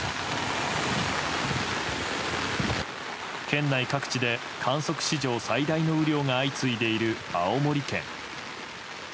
県内各地で観測史上最大の雨量が相次いでいる青森県。